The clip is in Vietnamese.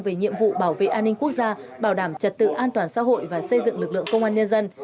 về nhiệm vụ bảo vệ an ninh quốc gia bảo đảm trật tự an toàn xã hội và xây dựng lực lượng công an nhân dân